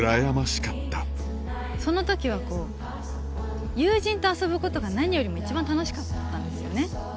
そのときはこう、友人と遊ぶことが何よりも一番楽しかったんですよね。